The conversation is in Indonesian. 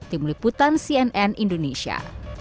tim liputan cnn indonesia